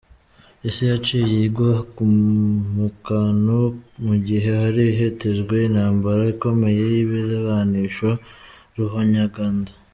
Isi yaciye igwa mu kantu mu gihe hari hitezwe intambara ikomeye y'ibirwanisho ruhonyanganda.